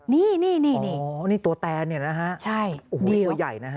นี่นี่ตัวแตนเนี่ยนะฮะโอ้โหตัวใหญ่นะฮะ